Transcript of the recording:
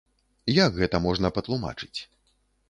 Як гэта можна патлумачыць?